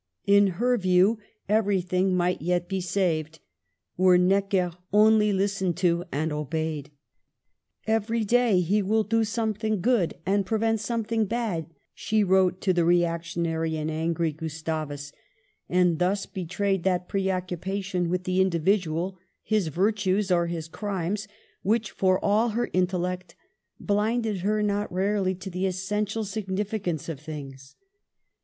In her view, every thing might yet be saved, were Necker only lis tened to and obeyed. " Every day he will do something good and prevent something bad," she wrote to the reactionary and angry Gustavus, and thus betrayed that preoccupation with the individual, his virtues or his crimes, which, for all her intellect, blinded her not rarely to the essential significance of things.